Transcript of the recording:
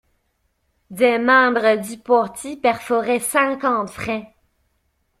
Des membres du parti perforaient cinquante freins!